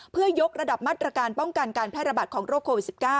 เพื่อยกระดับมาตรการป้องกันการแพร่ระบาดของโรคโควิด๑๙